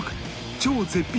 超絶品